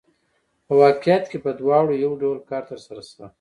په واقعیت کې په دواړو یو ډول کار ترسره شوی